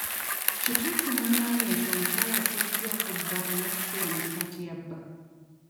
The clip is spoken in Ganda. Kituufu munnange nti omukyala afiiriddwako bba alina okusula n'essaati ya bba?